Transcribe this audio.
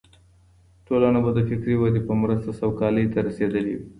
ټولنه به د فکري ودې په مرسته سوکالۍ ته رسېدلې وي.